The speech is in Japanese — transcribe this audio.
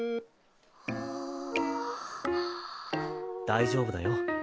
大丈夫だよ。